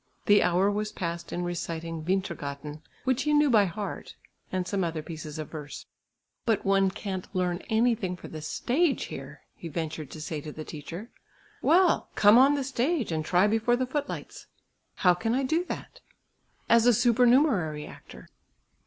The hour was passed in reciting "Vintergatan," which he knew by heart, and some other pieces of verse. "But one can't learn anything for the stage here," he ventured to say to the teacher. "Well! come on the stage, and try before the footlights." "How can I do that?" "As a supernumerary actor."